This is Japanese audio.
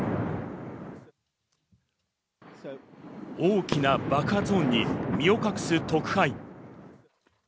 大きな爆発音に身を隠す特派員。